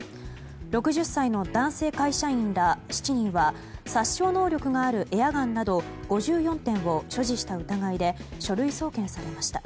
６０歳の男性会社員ら７人は殺傷能力のあるエアガンなど５４点を所持した疑いで書類送検されました。